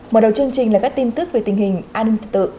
mở đầu chương trình là các tin tức về tình hình an ninh trật tự